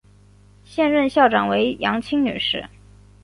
现任校长为杨清女士。